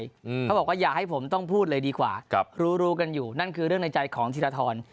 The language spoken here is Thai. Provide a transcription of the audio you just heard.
เขาบอกว่าอย่าให้ผมต้องพูดเลยดีกว่าครับรู้รู้กันอยู่นั่นคือเรื่องในใจของธีรทร